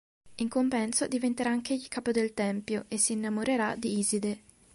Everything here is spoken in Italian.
In compenso, diventerà anch'egli capo del tempio, e si innamorerà di Iside.